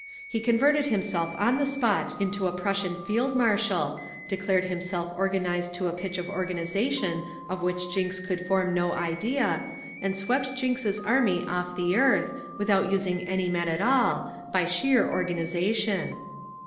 He converted himself on the spot into a Prussian Field Marshal, declared himself organised to a pitch of organisation of which Jinks could form no idea, and swept Jinks' army off the earth, without using any men at all, by sheer organisation.